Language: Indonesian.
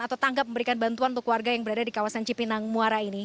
atau tanggap memberikan bantuan untuk warga yang berada di kawasan cipinang muara ini